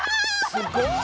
すごい。